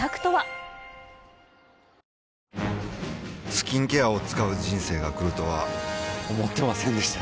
スキンケアを使う人生が来るとは思ってませんでした